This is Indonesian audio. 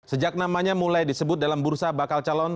sejak namanya mulai disebut dalam bursa bakal calon